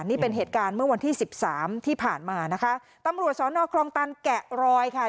นี่เป็นเหตุการณ์เมื่อวันที่สิบสามที่ผ่านมานะคะตำรวจสอนอคลองตันแกะรอยค่ะ